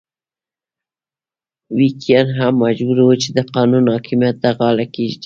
ویګیان هم مجبور وو چې د قانون حاکمیت ته غاړه کېږدي.